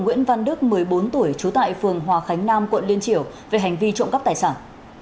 nguyễn văn đức một mươi bốn tuổi trú tại phường hòa khánh nam quận liên triểu về hành vi trộm cắp tài sản